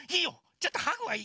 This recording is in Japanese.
ちょっとハグはいい。